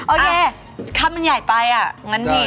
อะเย้คัมมันใหญ่ไปอ่ะงั้นให้